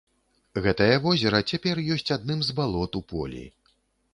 Гэтае возера цяпер ёсць адным з балот у полі.